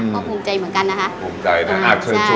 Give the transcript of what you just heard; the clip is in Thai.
ก็ภูมิใจเหมือนกันนะคะปู๊มใจนะ